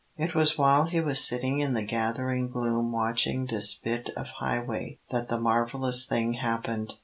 It was while he was sitting in the gathering gloom watching this bit of highway, that the marvellous thing happened.